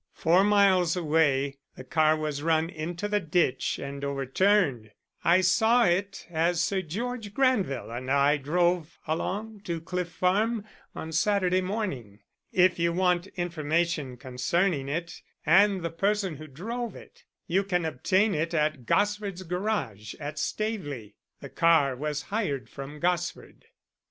Four miles away the car was run into the ditch and overturned. I saw it as Sir George Granville and I drove along to Cliff Farm on Saturday morning. If you want information concerning it and the person who drove it you can obtain it at Gosford's garage at Staveley. The car was hired from Gosford."